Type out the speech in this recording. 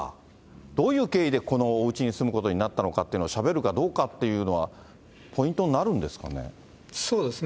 どういう経緯でこのおうちに住むことになったのかってのをしゃべるかどうかっていうのは、ポイントになるんですかね。